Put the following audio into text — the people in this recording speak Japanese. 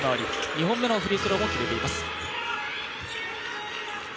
２本目のフリースローも決めています。